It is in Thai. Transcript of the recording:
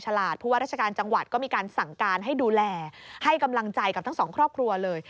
ให้กำลังใจกับทั้งสองครอบครัวเลย